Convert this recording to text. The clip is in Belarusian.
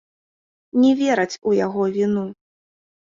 Не вераць у яго віну.